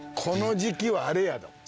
この時期はあれやど。